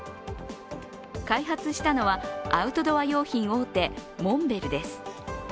開発したのは、アウトドア用品大手モンベルです。